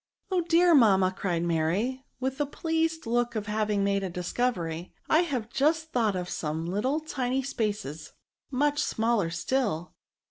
" Oh ! dear mamma/' cried Mary, with the pleased look of having made a discovery, " I have just thought of some little tiny spaces, much smaller still.